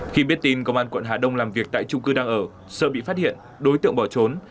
khi biết tin công an quận hà đông làm việc tại trung cư đang ở sợ bị phát hiện đối tượng bỏ trốn